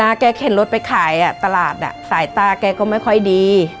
แกเข็นรถไปขายตลาดสายตาแกก็ไม่ค่อยดี